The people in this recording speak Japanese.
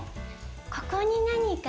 ここに何か。